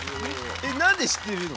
えっなんで知ってるの？